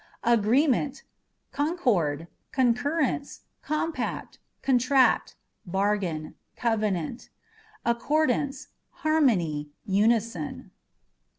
Agreement â€" concord, concurrence, compact, contract, bar gain, covenant ; accordance, harmony, unison.